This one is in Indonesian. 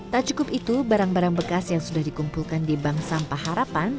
tak cukup itu barang barang bekas yang sudah dikumpulkan di bank sampah harapan